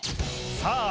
さあ